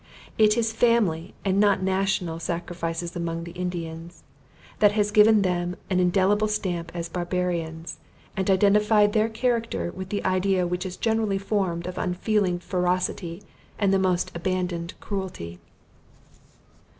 It is family, and not national, sacrifices amongst the Indians, that has given them an indelible stamp as barbarians, and identified their character with the idea which is generally formed of unfeeling ferocity, and the most abandoned cruelty.